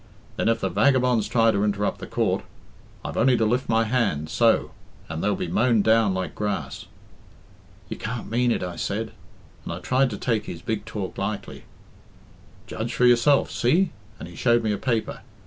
Then, if the vagabonds try to interrupt the Court, I've only to lift my hand so and they'll be mown down like grass.' 'You can't mean it,' I said, and I tried to take his big talk lightly. 'Judge for yourself see,' and he showed me a paper.